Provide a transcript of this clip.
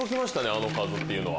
あの数というのは。